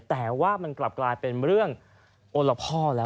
แต่ว่ามันกลับกลายเป็นเรื่องโอละพ่อแล้ว